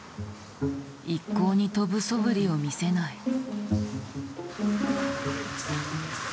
一向に飛ぶそぶりを見せない。